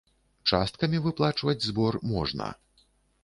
Часткамі выплачваць збор можна.